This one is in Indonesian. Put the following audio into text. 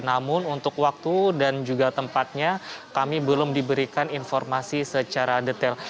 namun untuk waktu dan juga tempatnya kami belum diberikan informasi secara detail